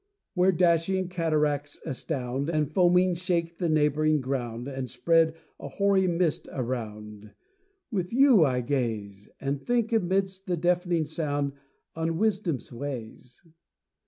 Where dashing cataracts astound, And foaming shake the neighbouring ground, And spread a hoary mist around, With you I gaze! And think, amid'st the deaf'ning sound, On wisdom's ways.